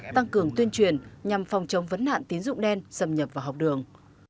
tăng cường tuyên truyền nhằm phòng chống vấn nạn tín dụng đen xâm nhập vào học đường